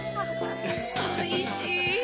おいしい！